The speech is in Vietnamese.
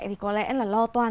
thì có lẽ là lo toan